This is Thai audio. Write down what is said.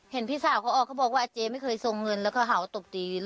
เห็นพี่สาวเขาออกเขาบอกว่าเจ๊ไม่เคยทรงเงินแล้วก็หาว่าตบตี